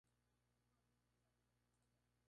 Las sospechas se dirigen hacia Johan el hombre solitario.